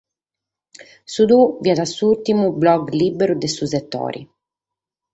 Su tuo fiat s’ùrtimu blog lìberu de su setore.